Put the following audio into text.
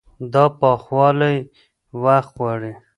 دا پخوالی وخت غواړي.